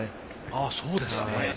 あそうですね。